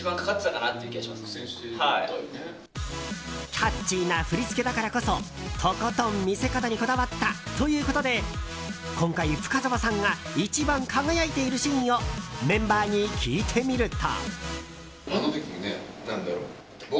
キャッチーな振り付けだからこそとことん見せ方にこだわったということで今回、深澤さんが一番輝いているシーンをメンバーに聞いてみると。